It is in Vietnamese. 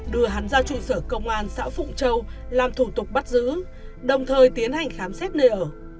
đưa hắn ra trụ sở công an xã phụng châu làm thủ tục bắt giữ đồng thời tiến hành khám xét nơi ở